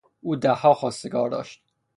او دهها خواستگار داشت.